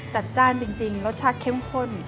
จ้านจริงรสชาติเข้มข้น